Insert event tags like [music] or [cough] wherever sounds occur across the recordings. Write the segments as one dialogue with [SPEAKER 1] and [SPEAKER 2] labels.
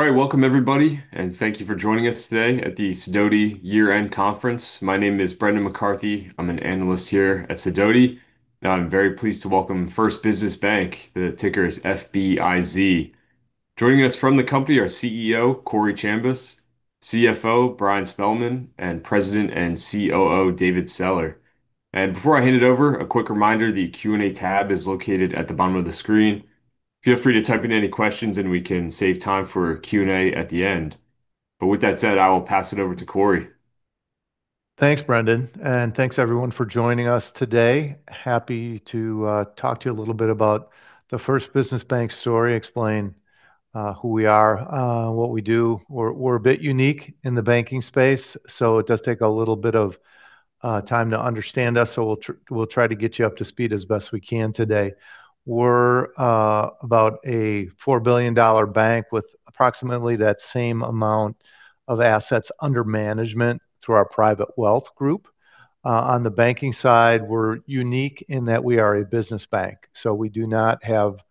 [SPEAKER 1] All right, welcome everybody, and thank you for joining us today at the Sidoti Year-End Conference. My name is Brendan McCarthy. I'm an analyst here at Sidoti. Now, I'm very pleased to welcome First Business Bank, the ticker is FBIZ. Joining us from the company are CEO Corey Chambas, CFO Brian Spielmann, and President and COO David Seiler. And before I hand it over, a quick reminder: the Q&A tab is located at the bottom of the screen. Feel free to type in any questions, and we can save time for Q&A at the end. But with that said, I will pass it over to Corey.
[SPEAKER 2] Thanks, Brendan, and thanks everyone for joining us today. Happy to talk to you a little bit about the First Business Bank story, explain who we are, what we do. We're a bit unique in the banking space, so it does take a little bit of time to understand us. So we'll try to get you up to speed as best we can today. We're about a $4 billion bank with approximately that same amount of assets under management through our private wealth group. On the banking side, we're unique in that we are a business bank, so we do not have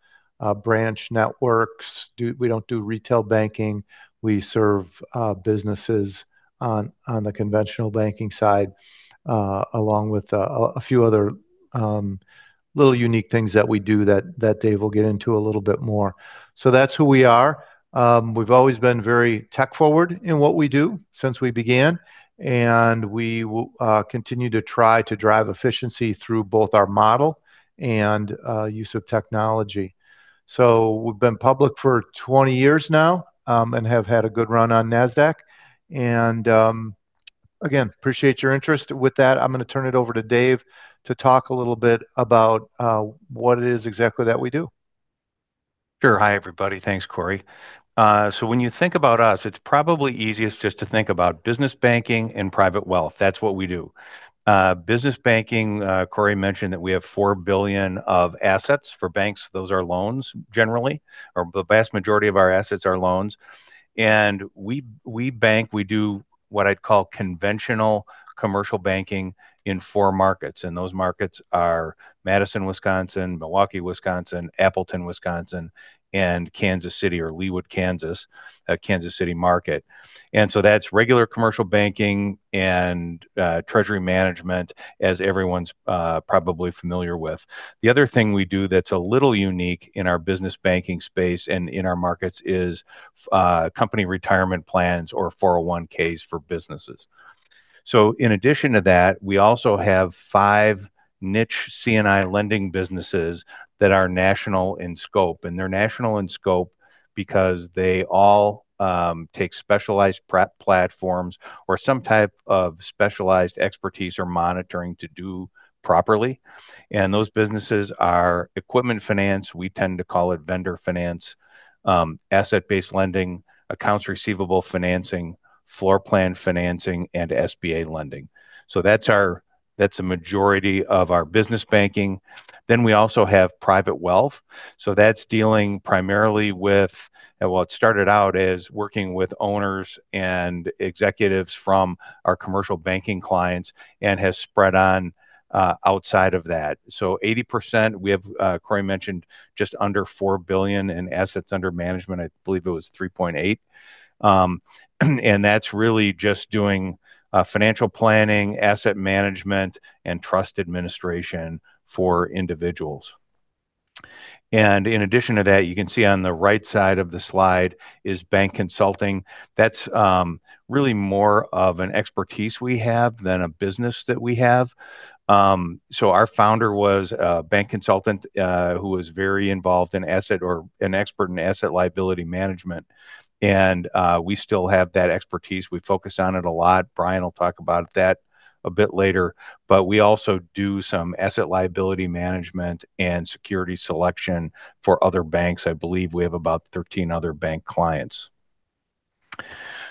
[SPEAKER 2] branch networks. We don't do retail banking. We serve businesses on the conventional banking side, along with a few other little unique things that we do that Dave will get into a little bit more. So that's who we are. We've always been very tech-forward in what we do since we began, and we will continue to try to drive efficiency through both our model and use of technology. So we've been public for 20 years now and have had a good run on Nasdaq. And again, appreciate your interest. With that, I'm going to turn it over to Dave to talk a little bit about what it is exactly that we do.
[SPEAKER 3] Sure. Hi, everybody. Thanks, Corey. So when you think about us, it's probably easiest just to think about business banking and private wealth. That's what we do. Business banking, Corey mentioned that we have $4 billion of assets for banks. Those are loans generally, or the vast majority of our assets are loans. And we bank, we do what I'd call conventional commercial banking in four markets. And those markets are Madison, Wisconsin, Milwaukee, Wisconsin, Appleton, Wisconsin, and Kansas City, or Leawood, Kansas, Kansas City market. And so that's regular commercial banking and treasury management, as everyone's probably familiar with. The other thing we do that's a little unique in our business banking space and in our markets is company retirement plans or 401(k)s for businesses. So in addition to that, we also have five niche C&I lending businesses that are national in scope. And they're national in scope because they all take specialized platforms or some type of specialized expertise or monitoring to do properly. And those businesses are equipment finance, we tend to call it vendor finance, asset-based lending, accounts receivable financing, floor plan financing, and SBA lending. So that's a majority of our business banking. Then we also have private wealth. So that's dealing primarily with, well, it started out as working with owners and executives from our commercial banking clients and has spread on outside of that. So 80%, we have, Corey mentioned, just under $4 billion in assets under management. I believe it was $3.8 billion. And that's really just doing financial planning, asset management, and trust administration for individuals. And in addition to that, you can see on the right side of the slide is bank consulting. That's really more of an expertise we have than a business that we have. Our founder was a bank consultant who was very involved in asset, or an expert in, asset liability management. We still have that expertise. We focus on it a lot. Brian will talk about that a bit later. We also do some asset liability management and security selection for other banks. I believe we have about 13 other bank clients.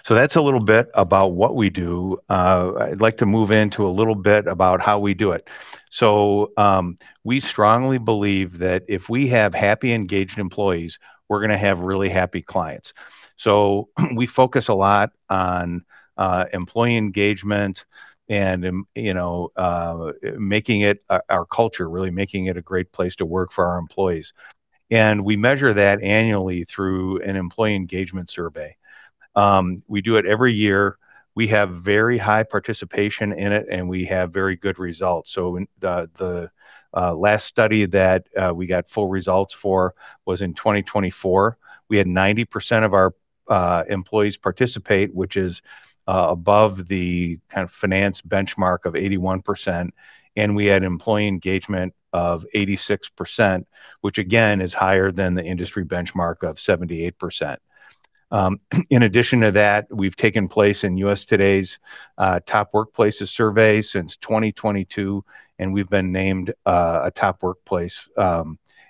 [SPEAKER 3] That's a little bit about what we do. I'd like to move into a little bit about how we do it. We strongly believe that if we have happy engaged employees, we're going to have really happy clients. We focus a lot on employee engagement and making it our culture, really making it a great place to work for our employees. We measure that annually through an employee engagement survey. We do it every year. We have very high participation in it, and we have very good results. The last study that we got full results for was in 2024. We had 90% of our employees participate, which is above the kind of finance benchmark of 81%. We had employee engagement of 86%, which again is higher than the industry benchmark of 78%. In addition to that, we've taken part in USA TODAY's Top Workplaces survey since 2022, and we've been named a top workplace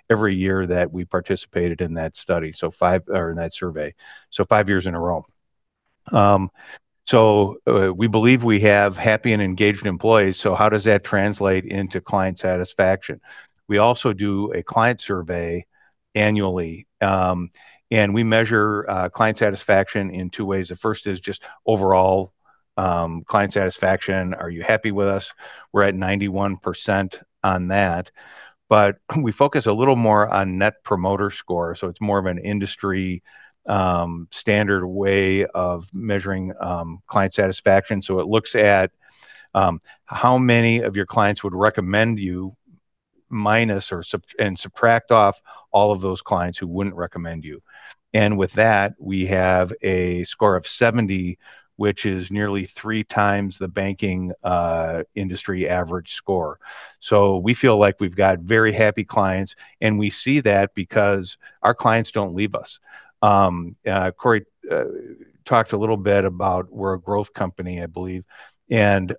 [SPEAKER 3] every year that we participated in that study, so five years in that survey, so five years in a row. We believe we have happy and engaged employees. How does that translate into client satisfaction? We also do a client survey annually. We measure client satisfaction in two ways. The first is just overall client satisfaction. Are you happy with us? We're at 91% on that. But we focus a little more on Net Promoter Score. So it's more of an industry standard way of measuring client satisfaction. So it looks at how many of your clients would recommend you minus or and subtract off all of those clients who wouldn't recommend you. And with that, we have a score of 70, which is nearly three times the banking industry average score. So we feel like we've got very happy clients. And we see that because our clients don't leave us. Corey talked a little bit about we're a growth company, I believe. And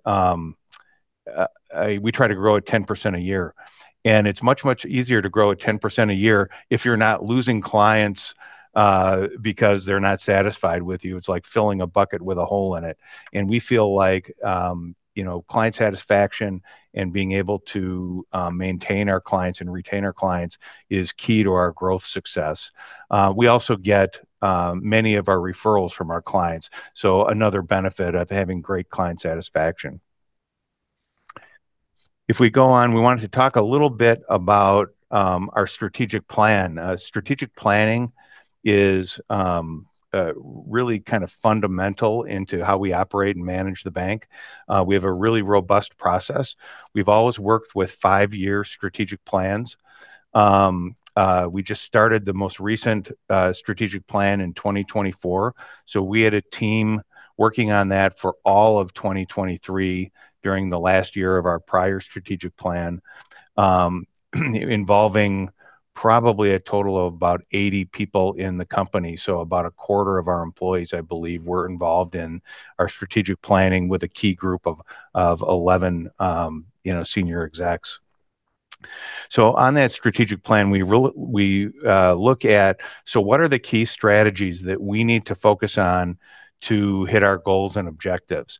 [SPEAKER 3] we try to grow at 10% a year. And it's much, much easier to grow at 10% a year if you're not losing clients because they're not satisfied with you. It's like filling a bucket with a hole in it. And we feel like client satisfaction and being able to maintain our clients and retain our clients is key to our growth success. We also get many of our referrals from our clients. So another benefit of having great client satisfaction. If we go on, we wanted to talk a little bit about our strategic plan. Strategic planning is really kind of fundamental to how we operate and manage the bank. We have a really robust process. We've always worked with five-year strategic plans. We just started the most recent strategic plan in 2024. So we had a team working on that for all of 2023 during the last year of our prior strategic plan, involving probably a total of about 80 people in the company. So about a quarter of our employees, I believe, were involved in our strategic planning with a key group of 11 senior execs. So on that strategic plan, we look at, so what are the key strategies that we need to focus on to hit our goals and objectives?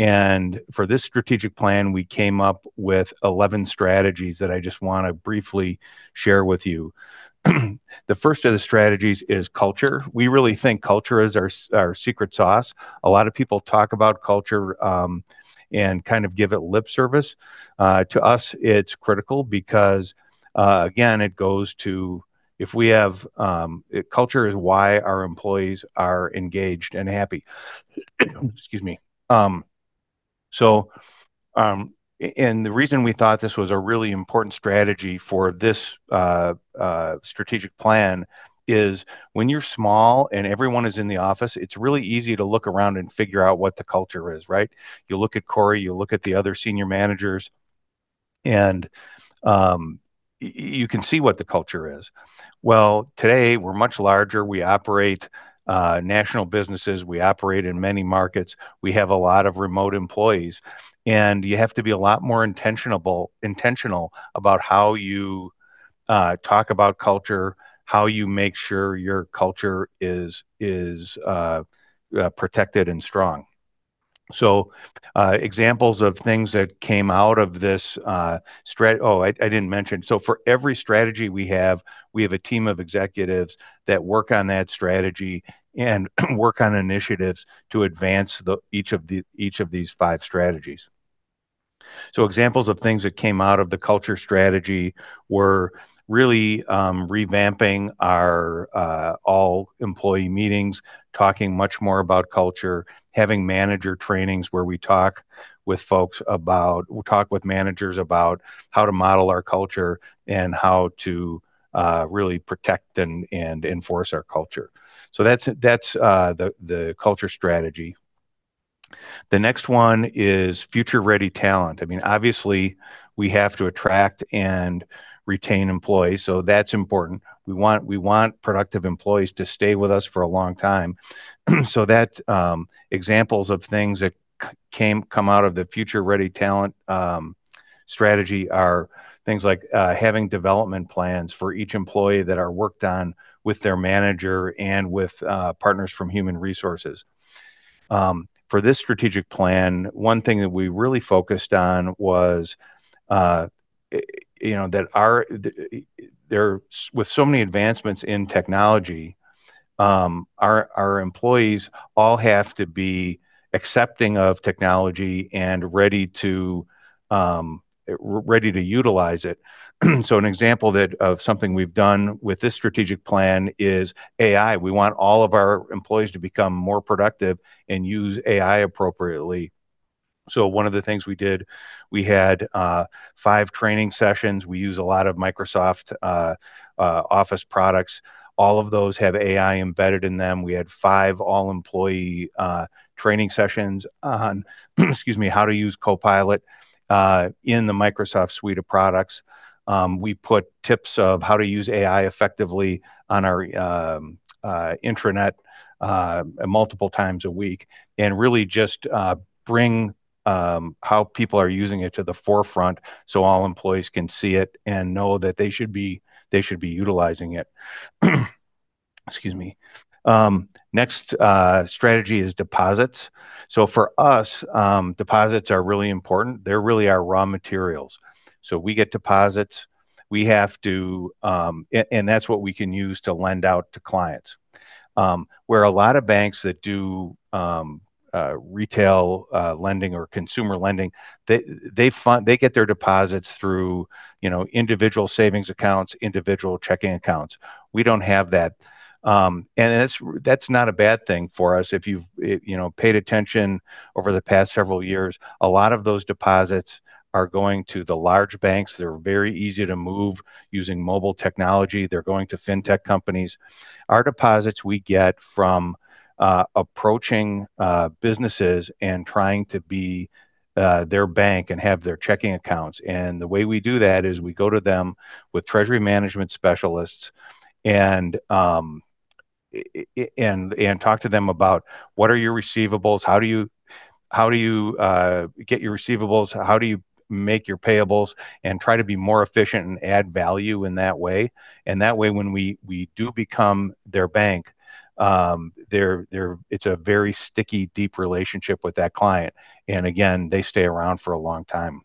[SPEAKER 3] And for this strategic plan, we came up with 11 strategies that I just want to briefly share with you. The first of the strategies is culture. We really think culture is our secret sauce. A lot of people talk about culture and kind of give it lip service. To us, it's critical because, again, it goes to if we have culture is why our employees are engaged and happy. Excuse me. So and the reason we thought this was a really important strategy for this strategic plan is when you're small and everyone is in the office, it's really easy to look around and figure out what the culture is, right? You look at Corey, you look at the other senior managers, and you can see what the culture is. Well, today, we're much larger. We operate national businesses. We operate in many markets. We have a lot of remote employees. And you have to be a lot more intentional about how you talk about culture, how you make sure your culture is protected and strong. So examples of things that came out of this. Oh, I didn't mention. So for every strategy we have, we have a team of executives that work on that strategy and work on initiatives to advance each of these five strategies. Examples of things that came out of the culture strategy were really revamping our all-employee meetings, talking much more about culture, having manager trainings where we talk with managers about how to model our culture and how to really protect and enforce our culture. So that's the culture strategy. The next one is future-ready talent. I mean, obviously, we have to attract and retain employees. So that's important. We want productive employees to stay with us for a long time. So that examples of things that come out of the future-ready talent strategy are things like having development plans for each employee that are worked on with their manager and with partners from human resources. For this strategic plan, one thing that we really focused on was that with so many advancements in technology, our employees all have to be accepting of technology and ready to utilize it. So an example of something we've done with this strategic plan is AI. We want all of our employees to become more productive and use AI appropriately. So one of the things we did, we had five training sessions. We use a lot of Microsoft Office products. All of those have AI embedded in them. We had five all-employee training sessions on, excuse me, how to use Copilot in the Microsoft suite of products. We put tips on how to use AI effectively on our intranet multiple times a week and really just bring how people are using it to the forefront so all employees can see it and know that they should be utilizing it. Next strategy is deposits. So for us, deposits are really important. They're really our raw materials. So we get deposits. We have to, and that's what we can use to lend out to clients. Where a lot of banks that do retail lending or consumer lending, they get their deposits through individual savings accounts, individual checking accounts. We don't have that. And that's not a bad thing for us. If you've paid attention over the past several years, a lot of those deposits are going to the large banks. They're very easy to move using mobile technology. They're going to fintech companies. Our deposits, we get from approaching businesses and trying to be their bank and have their checking accounts. And the way we do that is we go to them with treasury management specialists and talk to them about what are your receivables, how do you get your receivables, how do you make your payables, and try to be more efficient and add value in that way. And that way, when we do become their bank, it's a very sticky, deep relationship with that client. And again, they stay around for a long time.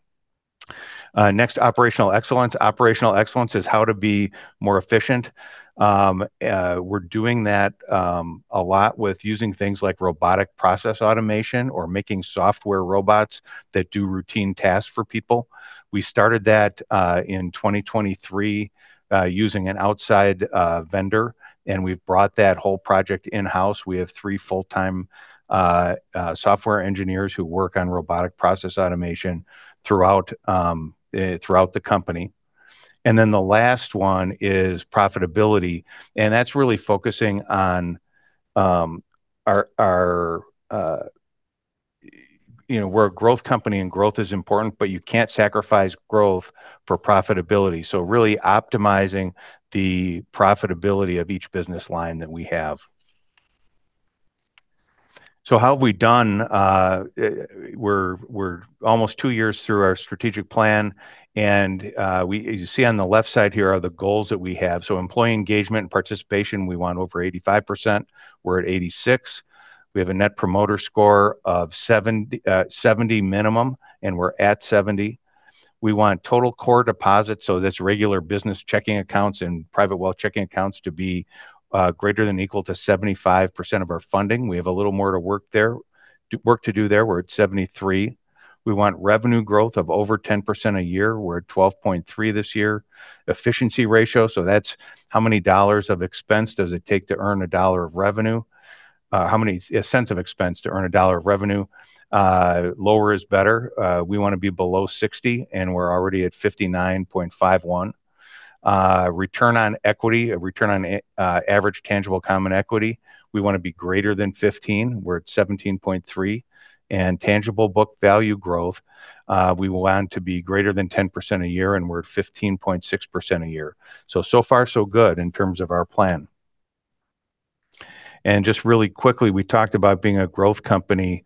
[SPEAKER 3] Next, operational excellence. Operational excellence is how to be more efficient. We're doing that a lot with using things like robotic process automation or making software robots that do routine tasks for people. We started that in 2023 using an outside vendor, and we've brought that whole project in-house. We have three full-time software engineers who work on robotic process automation throughout the company. And then the last one is profitability. That's really focusing on. We're a growth company, and growth is important, but you can't sacrifice growth for profitability. Really optimizing the profitability of each business line that we have. How have we done? We're almost two years through our strategic plan. You see on the left side here are the goals that we have. Employee engagement and participation, we want over 85%. We're at 86. We have a Net Promoter Score of 70 minimum, and we're at 70. We want total core deposits, so that's regular business checking accounts and private wealth checking accounts, to be greater than equal to 75% of our funding. We have a little more work to do there. We're at 73. We want revenue growth of over 10% a year. We're at 12.3 this year. Efficiency ratio, so that's how many dollars of expense does it take to earn a dollar of revenue? How many cents of expense to earn a dollar of revenue? Lower is better. We want to be below 60, and we're already at 59.51. Return on equity, a return on average tangible common equity, we want to be greater than 15. We're at 17.3. And tangible book value growth, we want to be greater than 10% a year, and we're at 15.6% a year. So, so far, so good in terms of our plan. And just really quickly, we talked about being a growth company.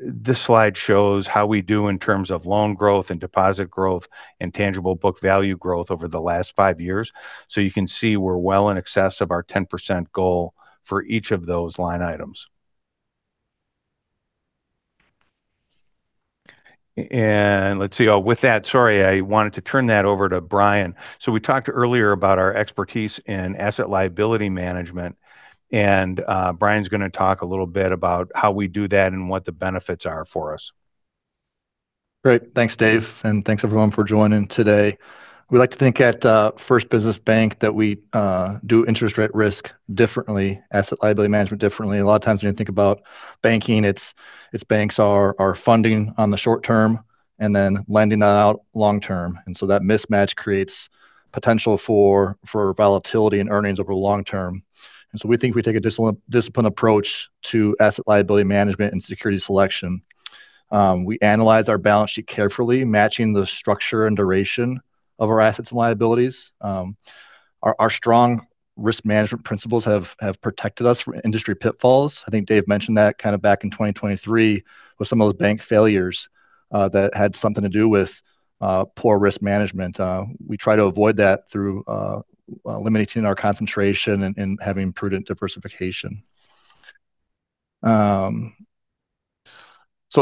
[SPEAKER 3] This slide shows how we do in terms of loan growth and deposit growth and tangible book value growth over the last five years. So you can see we're well in excess of our 10% goal for each of those line items. Let's see. Oh, with that, sorry, I wanted to turn that over to Brian, so we talked earlier about our expertise in asset liability management, and Brian's going to talk a little bit about how we do that and what the benefits are for us.
[SPEAKER 4] Great. Thanks, Dave, and thanks, everyone, for joining today. We'd like to think at First Business Bank that we do interest rate risk differently, asset liability management differently. A lot of times when you think about banking, it's banks are funding on the short term and then lending that out long term, and so that mismatch creates potential for volatility and earnings over the long term, and so we think we take a disciplined approach to asset liability management and security selection. We analyze our balance sheet carefully, matching the structure and duration of our assets and liabilities. Our strong risk management principles have protected us from industry pitfalls. I think Dave mentioned that kind of back in 2023 with some of those bank failures that had something to do with poor risk management. We try to avoid that through limiting our concentration and having prudent diversification. So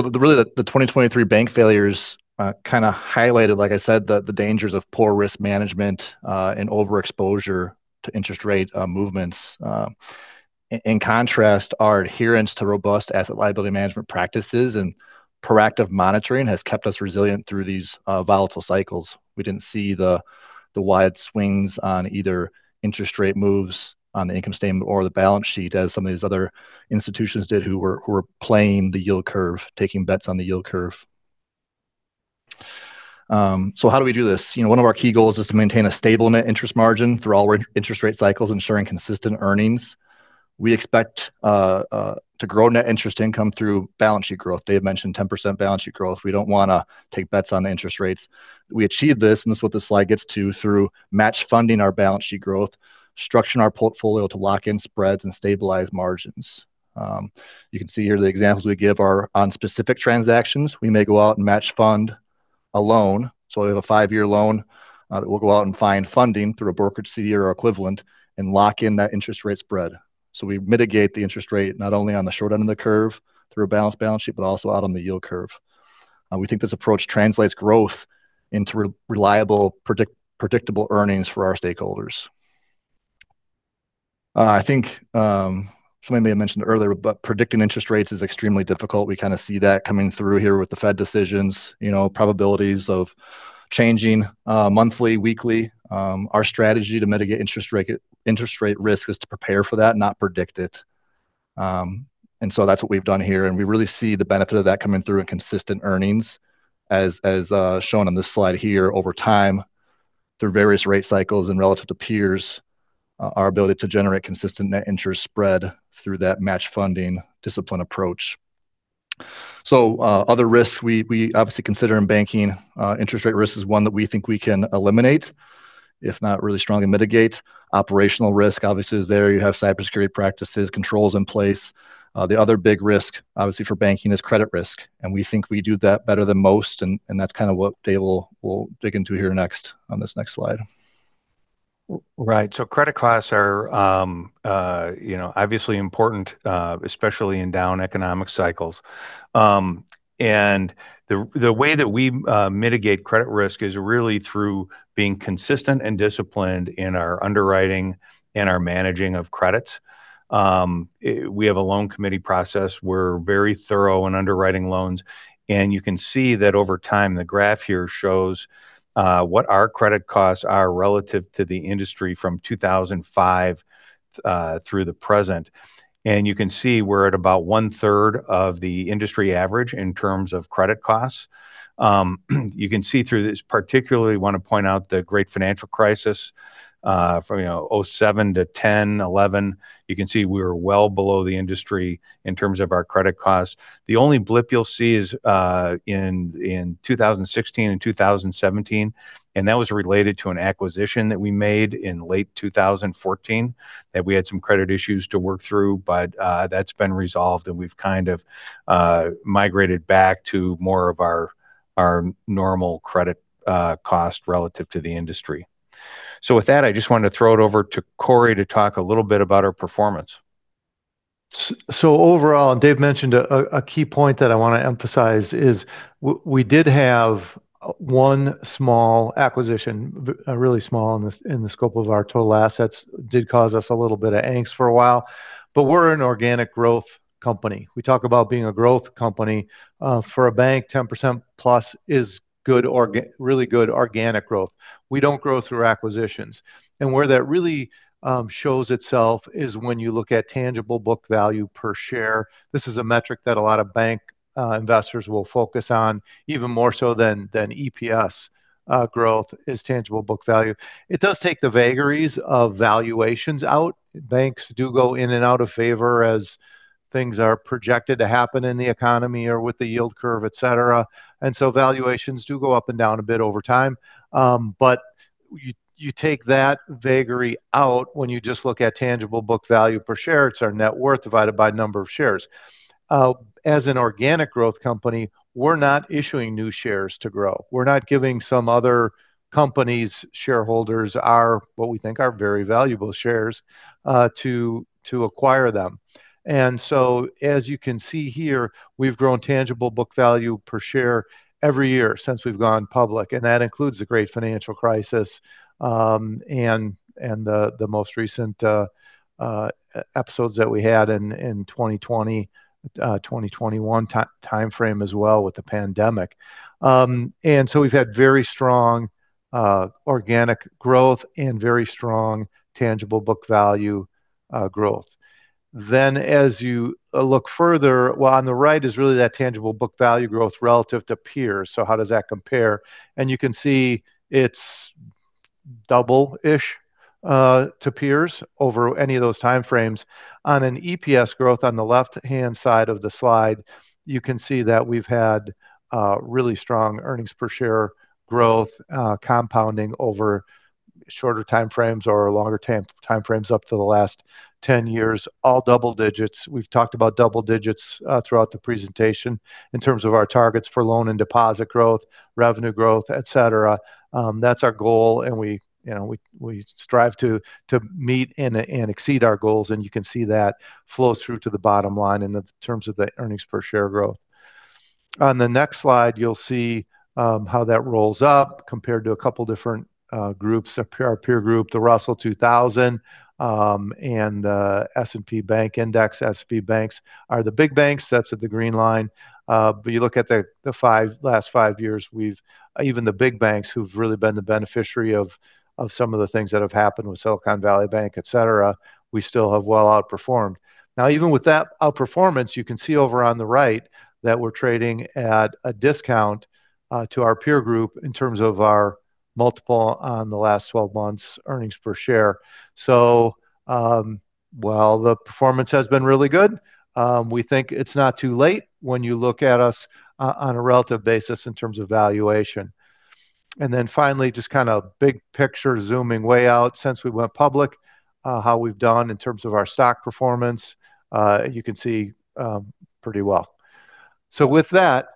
[SPEAKER 4] really, the 2023 bank failures kind of highlighted, like I said, the dangers of poor risk management and overexposure to interest rate movements. In contrast, our adherence to robust asset liability management practices and proactive monitoring has kept us resilient through these volatile cycles. We didn't see the wide swings on either interest rate moves on the income statement or the balance sheet as some of these other institutions did who were playing the yield curve, taking bets on the yield curve. So how do we do this? One of our key goals is to maintain a stable net interest margin through all interest rate cycles, ensuring consistent earnings. We expect to grow net interest income through balance sheet growth. Dave mentioned 10% balance sheet growth. We don't want to take bets on the interest rates. We achieve this, and that's what this slide gets to, through match funding our balance sheet growth, structuring our portfolio to lock in spreads and stabilize margins. You can see here the examples we give are on specific transactions. We may go out and match fund a loan. So we have a five-year loan that we'll go out and find funding through a brokerage CD or equivalent and lock in that interest rate spread. So we mitigate the interest rate not only on the short end of the curve through a balanced balance sheet, but also out on the yield curve. We think this approach translates growth into reliable, predictable earnings for our stakeholders. I think somebody may have mentioned earlier, but predicting interest rates is extremely difficult. We kind of see that coming through here with the Fed decisions, probabilities of changing monthly, weekly. Our strategy to mitigate interest rate risk is to prepare for that, not predict it, and so that's what we've done here, and we really see the benefit of that coming through in consistent earnings, as shown on this slide here, over time through various rate cycles and relative to peers, our ability to generate consistent net interest spread through that match funding discipline approach, so other risks we obviously consider in banking. Interest rate risk is one that we think we can eliminate, if not really strongly mitigate. Operational risk, obviously, is there. You have cybersecurity practices, controls in place. The other big risk, obviously, for banking is credit risk. And we think we do that better than most. And that's kind of what Dave will dig into here next on this next slide.
[SPEAKER 3] Right. So credit costs are obviously important, especially in down economic cycles. And the way that we mitigate credit risk is really through being consistent and disciplined in our underwriting and our managing of credits. We have a loan committee process. We're very thorough in underwriting loans. And you can see that over time, the graph here shows what our credit costs are relative to the industry from 2005 through the present. And you can see we're at about one-third of the industry average in terms of credit costs. You can see through this, particularly want to point out the Great Financial Crisis from 2007 to 2010, 2011. You can see we were well below the industry in terms of our credit costs. The only blip you'll see is in 2016 and 2017. That was related to an acquisition that we made in late 2014 that we had some credit issues to work through, but that's been resolved. We've kind of migrated back to more of our normal credit cost relative to the industry. With that, I just wanted to throw it over to Corey to talk a little bit about our performance.
[SPEAKER 2] Overall, Dave mentioned a key point that I want to emphasize is we did have one small acquisition, really small in the scope of our total assets, did cause us a little bit of angst for a while. We're an organic growth company. We talk about being a growth company. For a bank, 10% plus is really good organic growth. We don't grow through acquisitions, and where that really shows itself is when you look at tangible book value per share. This is a metric that a lot of bank investors will focus on, even more so than EPS growth is tangible book value. It does take the vagaries of valuations out. Banks do go in and out of favor as things are projected to happen in the economy or with the yield curve, etc. And so valuations do go up and down a bit over time, but you take that vagary out when you just look at tangible book value per share. It's our net worth divided by number of shares. As an organic growth company, we're not issuing new shares to grow. We're not giving some other company's shareholders what we think are very valuable shares to acquire them. As you can see here, we've grown tangible book value per share every year since we've gone public. That includes the Great Financial Crisis and the most recent episodes that we had in 2020, 2021 timeframe as well with the pandemic. We've had very strong organic growth and very strong tangible book value growth. As you look further, on the right is really that tangible book value growth relative to peers. How does that compare? You can see it's double-ish to peers over any of those timeframes. On an EPS growth on the left-hand side of the slide, you can see that we've had really strong earnings per share growth compounding over shorter timeframes or longer timeframes up to the last 10 years, all double digits. We've talked about double digits throughout the presentation in terms of our targets for loan and deposit growth, revenue growth, etc. That's our goal. We strive to meet and exceed our goals. You can see that flows through to the bottom line in terms of the earnings per share growth. On the next slide, you'll see how that rolls up compared to a couple of different groups, our peer group, the Russell 2000 and S&P Bank Index. S&P Banks are the big banks. That's at the green line. You look at the last five years, even the big banks who've really been the beneficiary of some of the things that have happened with Silicon Valley Bank, etc., we still have well outperformed. Now, even with that outperformance, you can see over on the right that we're trading at a discount to our peer group in terms of our multiple on the last 12 months' earnings per share. So while the performance has been really good, we think it's not too late when you look at us on a relative basis in terms of valuation. And then finally, just kind of big picture zooming way out since we went public, how we've done in terms of our stock performance, you can see pretty well. So with that,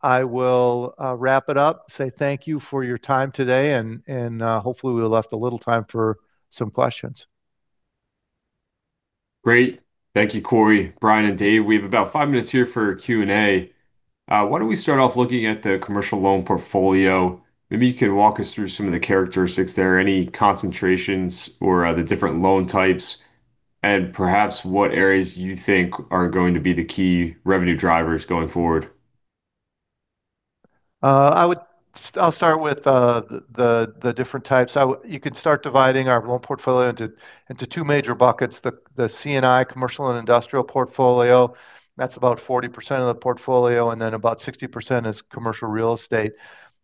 [SPEAKER 2] I will wrap it up, say thank you for your time today. And hopefully, we'll have left a little time for some questions.
[SPEAKER 1] Great. Thank you, Corey, Brian, and Dave. We have about five minutes here for Q&A. Why don't we start off looking at the commercial loan portfolio? Maybe you can walk us through some of the characteristics there, any concentrations or the different loan types, and perhaps what areas you think are going to be the key revenue drivers going forward.
[SPEAKER 2] I'll start with the different types. You can start dividing our loan portfolio into two major buckets: the C&I commercial and industrial portfolio. That's about 40% of the portfolio. And then about 60% is commercial real estate.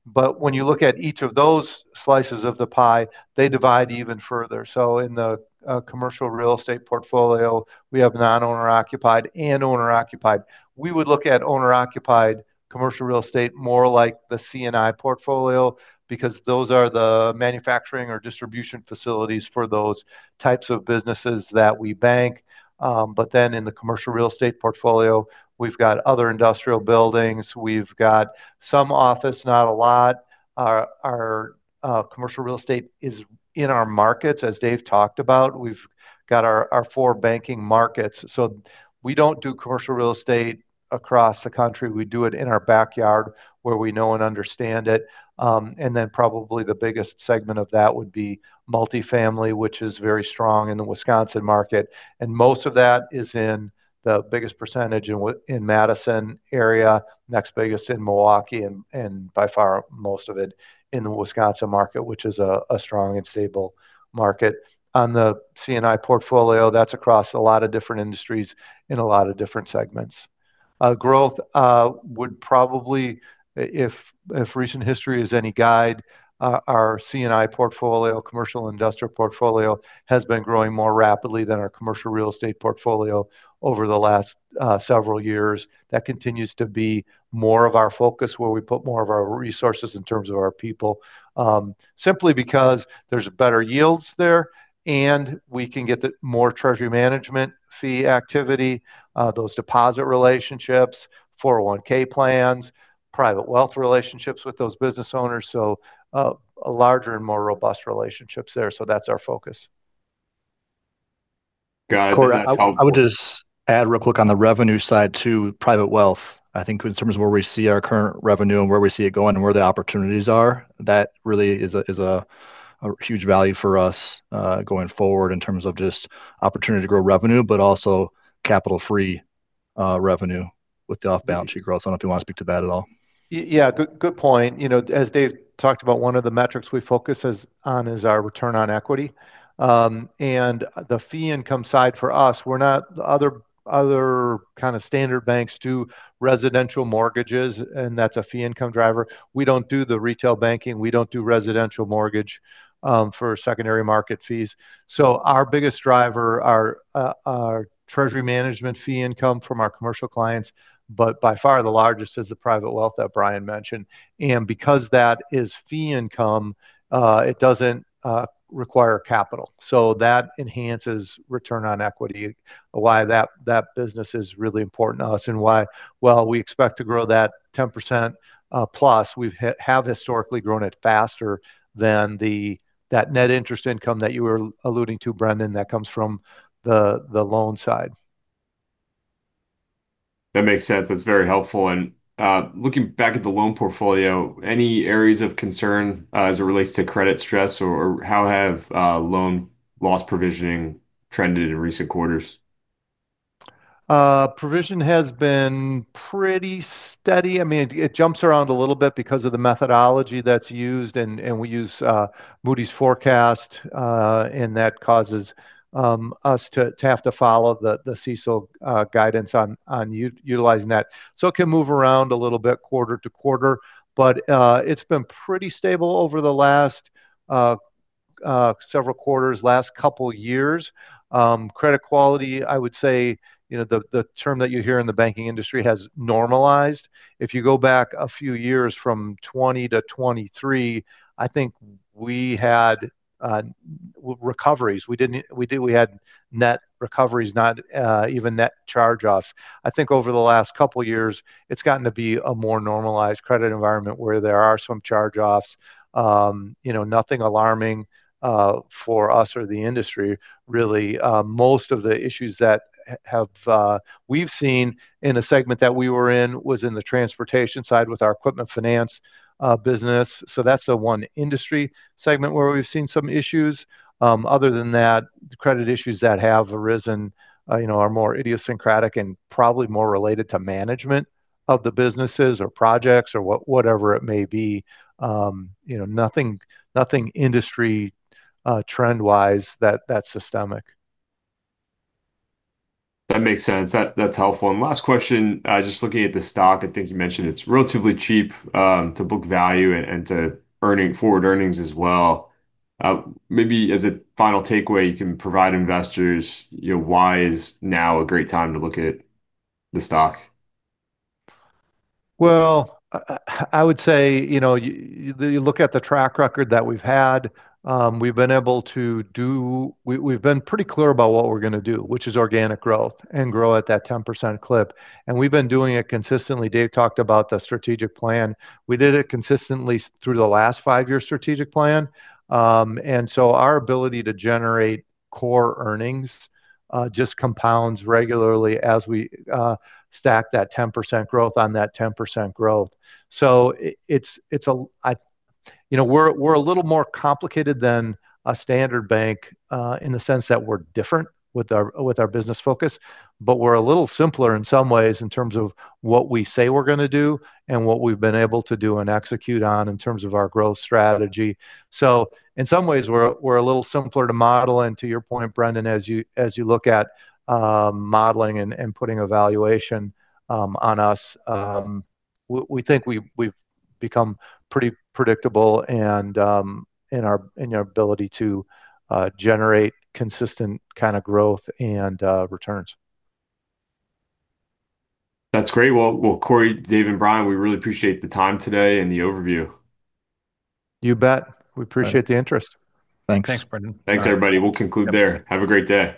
[SPEAKER 2] But when you look at each of those slices of the pie, they divide even further. So in the commercial real estate portfolio, we have non-owner-occupied and owner-occupied. We would look at owner-occupied commercial real estate more like the C&I portfolio because those are the manufacturing or distribution facilities for those types of businesses that we bank. But then in the commercial real estate portfolio, we've got other industrial buildings. We've got some office, not a lot. Our commercial real estate is in our markets, as Dave talked about. We've got our four banking markets, so we don't do commercial real estate across the country. We do it in our backyard where we know and understand it, and then probably the biggest segment of that would be multifamily, which is very strong in the Wisconsin market. And most of that is in the biggest percentage in Madison area, next biggest in Milwaukee, and by far most of it in the Wisconsin market, which is a strong and stable market. On the C&I portfolio, that's across a lot of different industries in a lot of different segments. Growth would probably, if recent history is any guide, our C&I portfolio, commercial industrial portfolio, has been growing more rapidly than our commercial real estate portfolio over the last several years. That continues to be more of our focus where we put more of our resources in terms of our people, simply because there's better yields there, and we can get more treasury management fee activity, those deposit relationships, 401(k) plans, private wealth relationships with those business owners, so larger and more robust relationships there. So that's our focus.
[SPEAKER 1] Got it-- [crosstalk]
[SPEAKER 4] [crosstalk] I would just add real quick on the revenue side to private wealth. I think in terms of where we see our current revenue and where we see it going and where the opportunities are, that really is a huge value for us going forward in terms of just opportunity to grow revenue, but also capital-free revenue with the off-balance sheet growth. I don't know if you want to speak to that at all.
[SPEAKER 2] Yeah. Good point. As Dave talked about, one of the metrics we focus on is our return on equity, and the fee income side for us, the other kind of standard banks do residential mortgages, and that's a fee income driver. We don't do the retail banking. We don't do residential mortgage for secondary market fees. So our biggest driver, our treasury management fee income from our commercial clients, but by far the largest is the private wealth that Brian mentioned, and because that is fee income, it doesn't require capital. So that enhances return on equity, why that business is really important to us and why, well, we expect to grow that 10% plus. We have historically grown it faster than that net interest income that you were alluding to, Brendan, that comes from the loan side.
[SPEAKER 1] That makes sense. That's very helpful. Looking back at the loan portfolio, any areas of concern as it relates to credit stress or how have loan loss provisioning trended in recent quarters?
[SPEAKER 3] Provision has been pretty steady. I mean, it jumps around a little bit because of the methodology that's used. We use Moody's forecast, and that causes us to have to follow the CECL guidance on utilizing that. It can move around a little bit quarter to quarter, but it's been pretty stable over the last several quarters, last couple of years. Credit quality, I would say the term that you hear in the banking industry has normalized. If you go back a few years from 2020 to 2023, I think we had recoveries. We had net recoveries, not even net charge-offs. I think over the last couple of years, it's gotten to be a more normalized credit environment where there are some charge-offs. Nothing alarming for us or the industry, really. Most of the issues that we've seen in the segment that we were in was in the transportation side with our equipment finance business. So that's the one industry segment where we've seen some issues. Other than that, the credit issues that have arisen are more idiosyncratic and probably more related to management of the businesses or projects or whatever it may be. Nothing industry trend-wise that's systemic.
[SPEAKER 1] That makes sense. That's helpful. And last question, just looking at the stock, I think you mentioned it's relatively cheap to book value and to its forward earnings as well. Maybe as a final takeaway, you can provide investors why is now a great time to look at the stock?
[SPEAKER 3] I would say you look at the track record that we've had. We've been pretty clear about what we're going to do, which is organic growth and grow at that 10% clip. And we've been doing it consistently. Dave talked about the strategic plan. We did it consistently through the last five-year strategic plan. And so our ability to generate core earnings just compounds regularly as we stack that 10% growth on that 10% growth. So we're a little more complicated than a standard bank in the sense that we're different with our business focus, but we're a little simpler in some ways in terms of what we say we're going to do and what we've been able to do and execute on in terms of our growth strategy. So in some ways, we're a little simpler to model. And to your point, Brendan, as you look at modeling and putting evaluation on us, we think we've become pretty predictable in our ability to generate consistent kind of growth and returns.
[SPEAKER 1] That's great. Well, Corey, Dave, and Brian, we really appreciate the time today and the overview.
[SPEAKER 3] You bet. We appreciate the interest. Thanks. Thanks, Brendan.
[SPEAKER 1] Thanks, everybody. We'll conclude there. Have a great day.